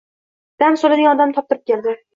Dam soladigan odamni toptirib keldi